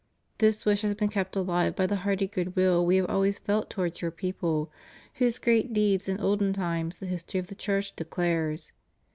This wish has been kept alive by the hearty good will We have always felt towards your people, whose great deeds in olden times the history of the Church declares.